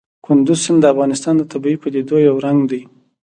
کندز سیند د افغانستان د طبیعي پدیدو یو رنګ دی.